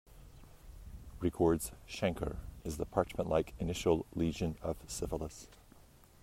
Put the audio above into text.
"Ricord's chancre" is the parchment-like initial lesion of syphilis.